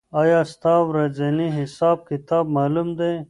آیا ستا ورځنی حساب کتاب معلوم دی؟